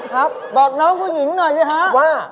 ครับบอกน้องผู้หญิงหน่อยสิฮะว่า